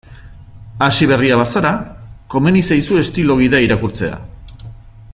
Hasiberria bazara, komeni zaizu estilo gida irakurtzea.